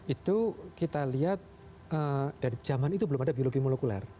itu kita lihat dari zaman itu belum ada biologi molekuler